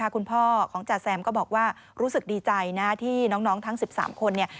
คุณพ่อของจ๋าแซมก็บอกว่ารู้สึกดีใจนะที่น้องทั้ง๑๓คนเนี่ย